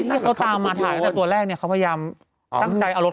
ที่เขาตามมาถ่ายตั้งแต่ตัวแรกเนี่ยเขาพยายามตั้งใจเอารถ